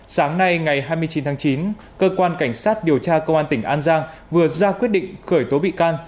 sáng nay ngày hai mươi chín tháng chín cơ quan cảnh sát điều tra công an tỉnh an giang vừa ra quyết định khởi tố bị can